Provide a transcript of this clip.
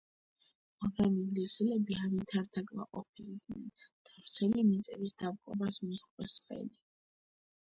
მაგრამ ინგლისელები ამით არ დაკმაყოფილდნენ და ვრცელი მიწების დაპყრობას მიჰყვეს ხელი.